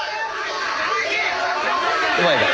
うまいか？